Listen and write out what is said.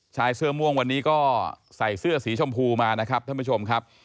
ชายเสื้อม่วงวันนี้ก็ใส่เสื้อสีชมพูมานะครับท่านผู้ชมครับ